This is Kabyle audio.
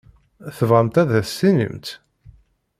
Tebɣamt ad as-tinimt?